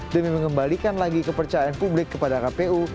demi mengembalikan lagi kepercayaan publik kepada kpu